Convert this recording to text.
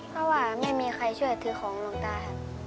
เพราะว่าไม่มีใครช่วยถือของหลวงตาครับ